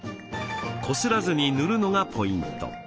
こすらずに塗るのがポイント。